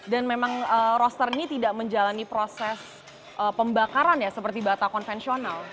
dan memang roster ini tidak menjalani proses pembakaran seperti batak konvensional